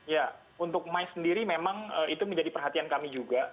ya untuk mais sendiri memang itu menjadi perhatian kami juga